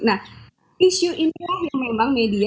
nah isu ini memang media